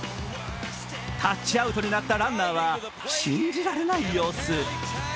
タッチアウトになったランナーは信じられない様子。